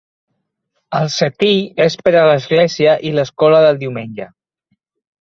El setí és per a l"església i l"escola del diumenge.